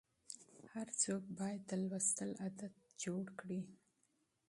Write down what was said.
هر څوک باید د مطالعې عادت پیدا کړي.